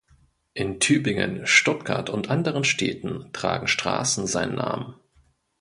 In Tübingen, Stuttgart und anderen Städten tragen Straßen seinen Namen.